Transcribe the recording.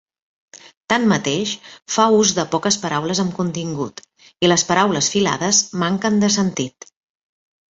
Tanmateix, fa ús de poques paraules amb contingut, i les paraules filades manquen de sentit.